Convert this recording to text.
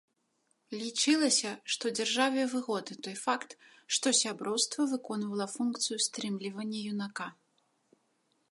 Лічылася, што дзяржаве выгодны той факт, што сяброўства выконвала функцыю стрымлівання юнака.